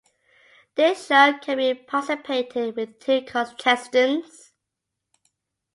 This show can be participated with two contestants.